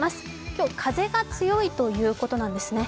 今日、風が強いということなんですね。